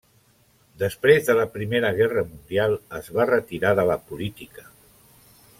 Després de la Primera Guerra Mundial, es va retirar de la política.